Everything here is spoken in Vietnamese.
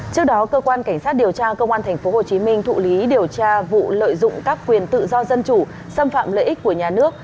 trước đó cơ quan cảnh sát điều tra công an tp hcm thụ lý điều tra vụ lợi dụng các quyền tự do dân chủ xâm phạm lợi ích của nhà nước